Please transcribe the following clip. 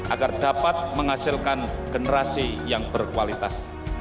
agar dapat menghasilkan generasi yang berkualitas